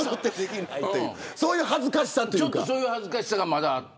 そういう恥ずかしさがまだあって。